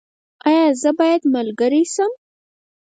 ایا زه باید ملګری شم؟